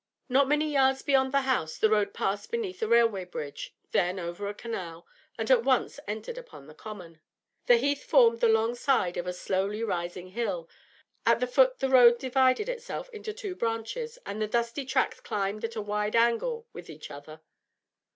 Not many yards beyond the house the road passed beneath a railway bridge, then over a canal, and at once entered upon the common. The Heath formed the long side of a slowly rising hill; at the foot the road divided itself into two branches, and the dusty tracks climbed at a wide angle with each other.